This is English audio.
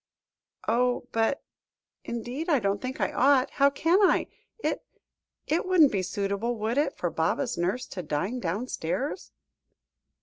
"Oh! but indeed I don't think I ought; how can I? It it wouldn't be suitable, would it, for Baba's nurse to dine downstairs?"